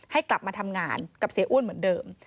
ให้กลับมาทำงานกับเสียอ้วนเหมือนเดิม